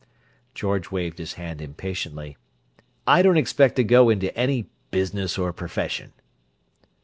George waved his hand impatiently. "I don't expect to go into any 'business or profession."